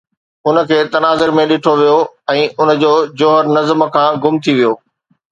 ان کي تناظر ۾ ڏٺو ويو ۽ ان جو جوهر نظر کان گم ٿي ويو